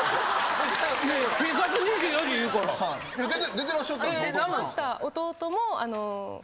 出てらっしゃったんです弟さん。